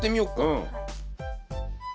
うん。